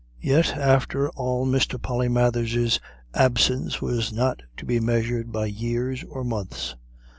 Yet after all Mr. Polymathers's absence was not to be measured by years or months.